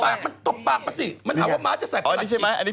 ประหลัดขีกมันใส่ไม่ได้